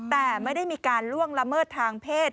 แต่ไม่ได้มีการล่วงละเมิดทางเพศ